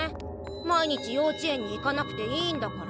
毎日幼稚園に行かなくていいんだから。